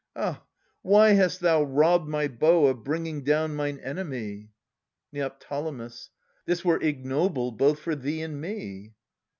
Ah ! Why hast thou ^robbed My bow of bringing down mine enemy ? Neo. This were ignoble both for thee and me.